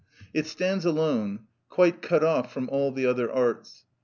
It stands alone, quite cut off from all the other arts.